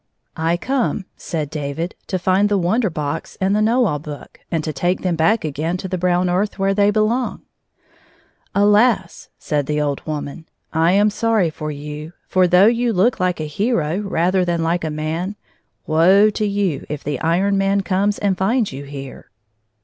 " I come," said David, " to find the Wonder Box and the Know All Book, and to take them back again to the brown earth, where they belong." " Alas !" said the old woman, " I am sorry for you, for, though you look like a hero rather than like a man, woe to you if the Iron Man comes and finds you here."